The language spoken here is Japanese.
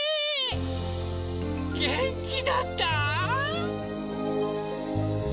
げんきだった？